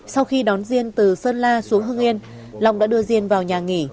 sau khi đón diên từ sơn la xuống hưng yên lòng đã đưa diên vào nhà nghỉ